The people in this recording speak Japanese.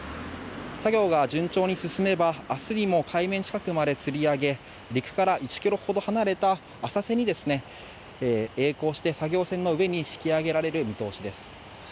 作業が順調に進めば明日にも海面近くまでつり上げ陸から１ｋｍほど離れた浅瀬にえい航して作業船の上に引き揚げられる見通しです。